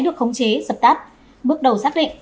được khống chế giật tắt bước đầu xác định